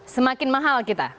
semakin mahal kita